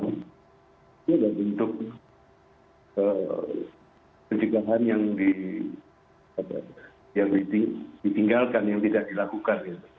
itu adalah bentuk pencegahan yang ditinggalkan yang tidak dilakukan